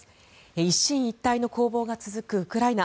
一進一退の攻防が続くウクライナ。